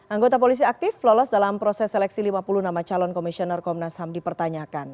anggota polisi aktif lolos dalam proses seleksi lima puluh nama calon komisioner komnas ham dipertanyakan